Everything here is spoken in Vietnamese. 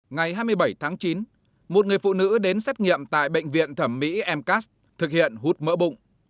ngày hai mươi bảy tháng chín một người phụ nữ đến xét nghiệm tại bệnh viện thẩm mỹ mcas thực hiện hút mỡ bụng